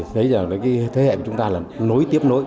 thế hệ của chúng ta là nối tiếp nối